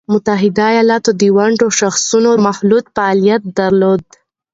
د متحده ایالاتو د ونډو شاخصونو مخلوط فعالیت درلود